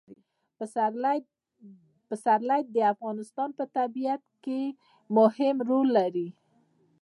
پسرلی د افغانستان په طبیعت کې مهم رول لري.